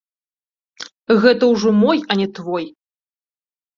Гэта ўжо мой, а не твой.